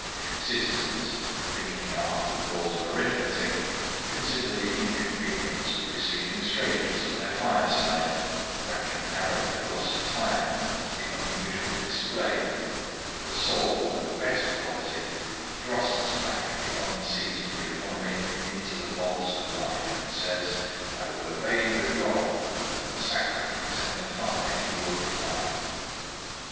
Citizens, thinking after the laws of arithmetic, consider the inconvenience of receiving strangers at their fireside, reckon narrowly the loss of time and the unusual display; the soul of a better quality thrusts back the unseasonable economy into the vaults of life, and says, I will obey the God, and the sacrifice and the fire he will provide.